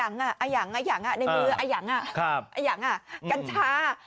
ในมือครับ